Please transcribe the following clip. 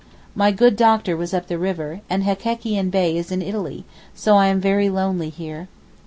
My good doctor was up the river, and Hekekian Bey is in Italy, so I am very lonely here.